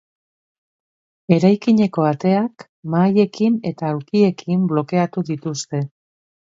Eraikineko ateak mahaiekin eta aulkiekin blokeatu dituzte.